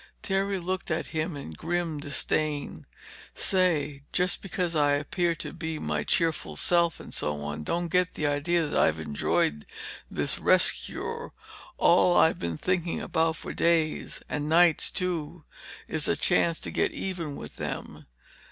Terry looked at him in great disdain. "Say, just because I appear to be my cheerful self and so on, don't get the idea that I've enjoyed this rest cure. All I've been thinking about for days—and nights too—is the chance to get even with them.